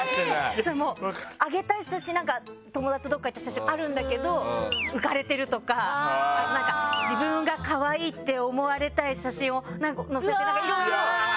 上げたい写真、友達とどっか行った写真はあるんだけど浮かれてるとか自分が可愛いって思われたい写真を載せてるとかいろいろ。